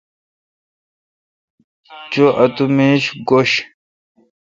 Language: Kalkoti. چو اتو میش گوش۔